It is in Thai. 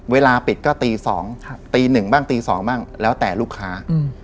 เวลาปิดก็ตี๒ตีหนึ่งบ้างตี๒บ้างแล้วแต่ลูกค้า